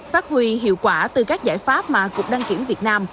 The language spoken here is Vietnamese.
phát huy hiệu quả từ các giải pháp mà cục đăng kiểm việt nam